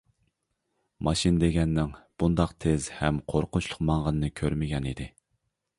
ماشىنا دېگەننىڭ بۇنداق تېز ھەم قورقۇنچلۇق ماڭغىنىنى كۆرمىگەن ئىدى.